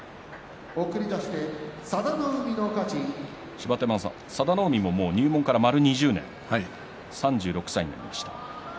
芝田山さん、佐田の海も入門から丸２０年３６歳になりました。